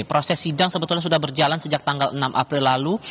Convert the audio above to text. proses sidang sebetulnya sudah berjalan sejak tanggal enam april lalu